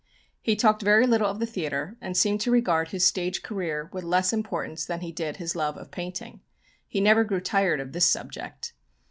He talked very little of the theatre, and seemed to regard his stage career with less importance than he did his love of painting. He never grew tired of this subject.